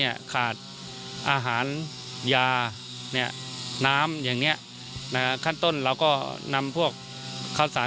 ได้จัดเตรียมความช่วยเหลือประบบพิเศษสี่ชน